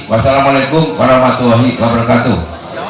wassalamu'alaikum warahmatullahi wabarakatuh